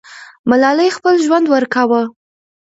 ملالۍ خپل ژوند ورکاوه.